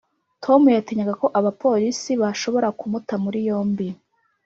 tom yatinyaga ko abapolisi bashobora kumuta muri yombi.